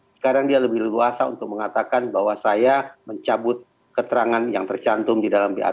sekarang dia lebih luasa untuk mengatakan bahwa saya mencabut keterangan yang tercantum di dalam bap itu tipe kedua